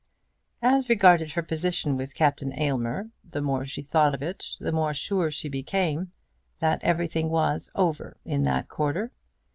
As regarded her position with Captain Aylmer, the more she thought of it the more sure she became that everything was over in that quarter.